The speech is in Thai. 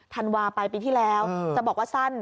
ธันวาไปปีที่แล้วจะบอกว่าสั้น